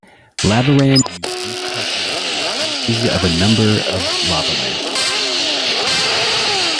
Lavarand used this technique with images of a number of lava lamps.